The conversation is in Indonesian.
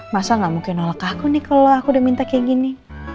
masa gak mungkin nolak aku nih kalau aku udah minta kayak gini